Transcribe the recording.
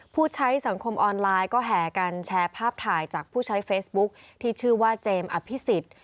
ผู้ใช้สังคมออนไลน์ก็แห่กันแชร์ภาพถ่ายจากผู้ใช้เฟซบุ๊คที่ชื่อว่าเจมส์อภิษฎ